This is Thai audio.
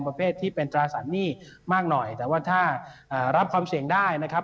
ประเภทที่เป็นตราสารหนี้มากหน่อยแต่ว่าถ้ารับความเสี่ยงได้นะครับ